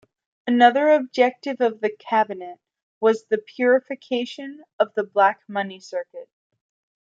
Another objective of the cabinet was the purification of the black money circuit.